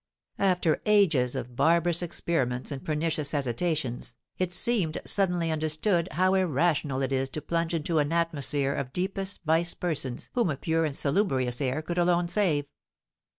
After ages of barbarous experiments and pernicious hesitations, it seemed suddenly understood how irrational it is to plunge into an atmosphere of deepest vice persons whom a pure and salubrious air could alone save.